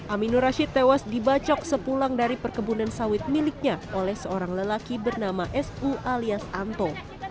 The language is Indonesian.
aminu rashid tewas dibacok sepulang dari perkebunan sawit miliknya oleh seorang lelaki bernama su alias anto